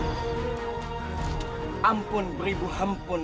saya akan merubahkan korban